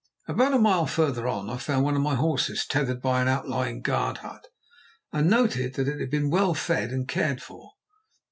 About a mile further on I found one of my horses tethered by an outlying guard hut, and noted that it had been well fed and cared for.